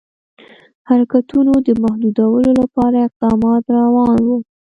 حرکتونو د محدودولو لپاره اقدامات روان وه.